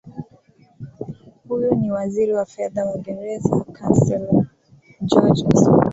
huyu ni waziri wa fedha wa gereza councellor george osborn